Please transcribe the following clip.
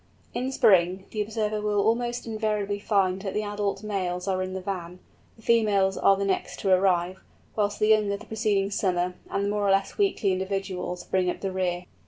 In spring, the observer will almost invariably find that the adult males are in the van; the females are the next to arrive, whilst the young of the preceding summer, and the more or less weakly individuals, bring up the rear.